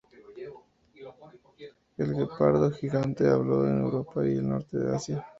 El guepardo gigante habitó en Europa y el norte de Asia.